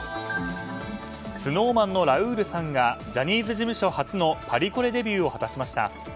ＳｎｏｗＭａｎのラウールさんがジャニーズ事務所初のパリコレデビューを果たしました。